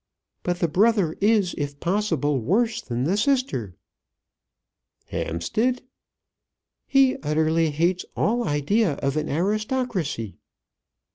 "But the brother is if possible worse than the sister." "Hampstead?" "He utterly hates all idea of an aristocracy."